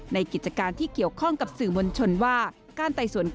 ในกิจการที่เกี่ยวข้องกับสื่อมวลชนว่า